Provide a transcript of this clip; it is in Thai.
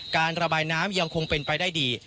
การระบายน้ำยังคงเป็นไปได้ดี